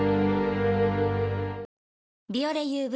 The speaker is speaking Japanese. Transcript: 「ビオレＵＶ」